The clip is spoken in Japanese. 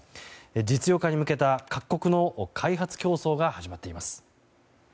実用化に向けた各国の開発競争が始まっています。